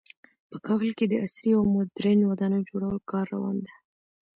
په کابل کې د عصري او مدرن ودانیو جوړولو کار روان ده